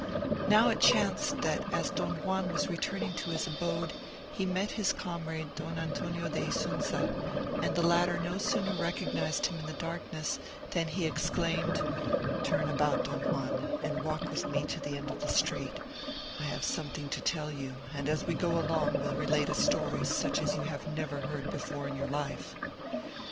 Now it chanced that as Don Juan was returning to his abode, he met his comrade Don Antonio de Isunza; and the latter no sooner recognised him in the darkness, than he exclaimed, "Turn about, Don Juan, and walk with me to the end of the street; I have something to tell you, and as we go along will relate a story such as you have never heard before in your life."